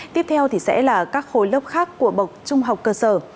tiếp theo thì sẽ là các khối lớp khác của bậc trung học cơ sở